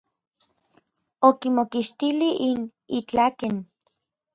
Okimokixtilij n itlaken.